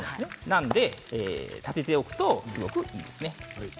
立てておくと、すごくいいですね。